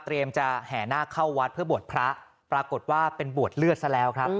จะแห่หน้าเข้าวัดเพื่อบวชพระปรากฏว่าเป็นบวชเลือดซะแล้วครับ